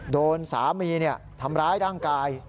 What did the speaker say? โดนสามีทำร้ายร่างกาย